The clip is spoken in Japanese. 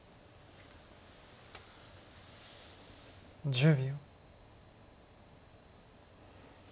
１０秒。